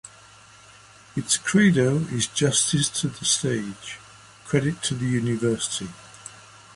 Its credo is Justice to the stage; credit to the University.